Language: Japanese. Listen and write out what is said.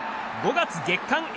５月月間